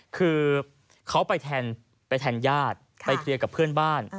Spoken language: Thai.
คือเขาไปแทนญาติไปเคลียร์กับเพื่อนบ้าน